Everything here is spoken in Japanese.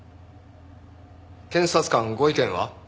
検察官ご意見は？